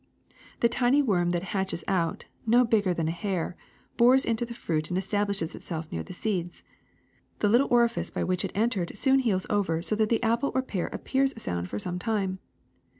The tiny worm that hatches out, no big ger than a hair, bores into the fruit and establishes itself near the seeds. The little orifice by which it entered soon heals over so that the apple or pear appears sound for some time.